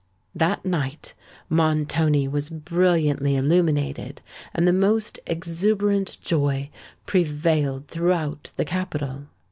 That night Montoni was brilliantly illuminated; and the most exuberant joy prevailed throughout the capital.